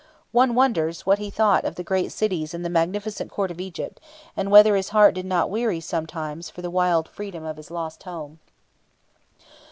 One wonders what he thought of the great cities and the magnificent Court of Egypt, and whether his heart did not weary sometimes for the wild freedom of his lost home.